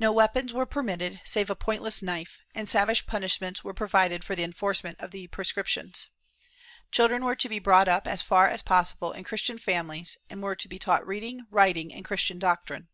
No weapons were permitted, save a pointless knife, and savage punishments were provided for the enforcement of the prescriptions. Children were to be brought up, as far as possible, in Christian families, and were to be taught reading, writing and Christian doctrine.